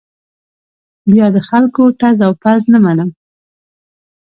بیا د خلکو ټز او پز نه منم.